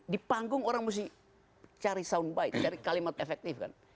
di panggung orang mesti cari soundbite cari kalimat efektif kan